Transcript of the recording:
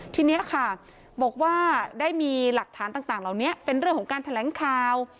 ทีนี้ค่ะบอกว่าได้มีหลักฐานต่างเหล่านี้เป็นเรื่องของการแถลงข่าว